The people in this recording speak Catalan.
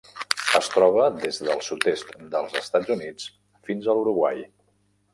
Es troba des del sud-est dels Estats Units fins a l'Uruguai.